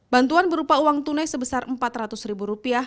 bantuan berupa uang tunai sebesar rp empat ratus